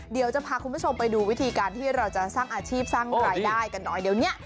เดี๋ยวจะพาคุณผู้ชมไปดูวิธีการที่เราจะสร้างอาชีพสร้างรายได้กันหน่อยเดี๋ยวนี้